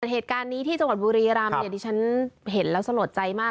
เหตุการณ์นี้ที่จังหวัดบุรีรำเนี่ยดิฉันเห็นแล้วสลดใจมาก